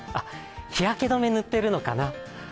日焼け止め塗ってるのかな？